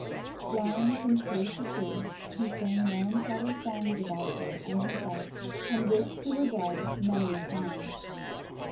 Flying from tree to tree, he sang melancholy songs about her and himself, and wished he were dead many a time.